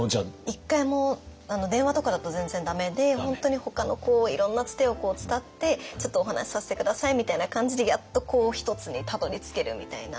１回も電話とかだと全然駄目で本当にほかのいろんなつてを伝って「ちょっとお話しさせて下さい」みたいな感じでやっと一つにたどりつけるみたいな。